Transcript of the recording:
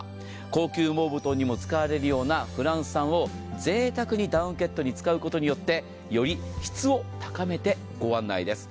高級羽毛布団にも使われるようなフランス産を贅沢にダウンケットに使うことによってより質を高めてご案内です。